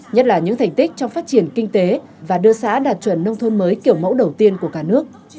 nhất là những thành tích trong phát triển kinh tế và đưa xã đạt chuẩn nông thôn mới kiểu mẫu đầu tiên của cả nước